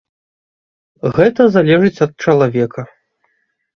Гэта залежыць ад чалавека.